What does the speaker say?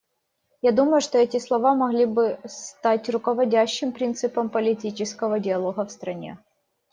Я думаю, что эти слова могли бы стать руководящим принципом политического диалога в стране.